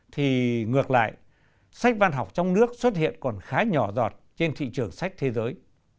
thì ngược lại sách văn học trong nước xuất hiện còn khá nhỏ giọt trên thị trường sách thế giới